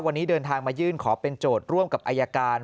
วันนี้เดินทางมายื่นขอเป็นโจทย์ร่วมกับอายการ